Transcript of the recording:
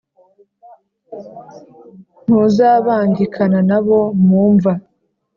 Ntuzabangikana na bo mu mva,